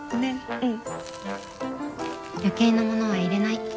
うん。